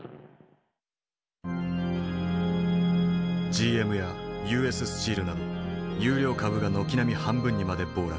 ＧＭやＵＳスチールなど優良株が軒並み半分にまで暴落。